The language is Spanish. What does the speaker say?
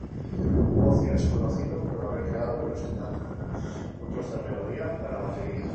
Bozzio es conocido por haber creado el ostinato, un trozo de melodía para batería.